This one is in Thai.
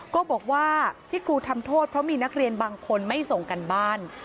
ก็บอกว่าที่ครูทำโทษเพราะมีนักเรียนบางคนไม่ส่งกันบ้าน